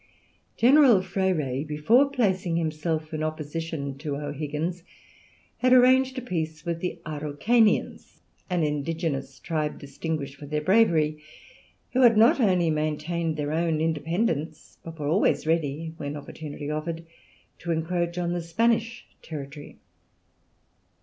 General Freire, before placing himself in opposition to O'Higgins, had arranged a peace with the Araucanians, an indigenous tribe distinguished for their bravery, who had not only maintained their own independence but were always ready, when opportunity offered, to encroach on the Spanish territory.